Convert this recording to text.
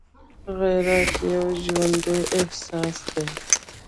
غیرت یو ژوندی احساس دی